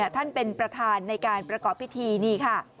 ท่านประธานเป็นประธานในการประกอบพิธีนี่ค่ะ